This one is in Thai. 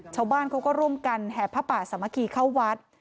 ชาวบ้านเขาก็ร่วมกันแห่ผ้าป่าสามัคคีเข้าวัด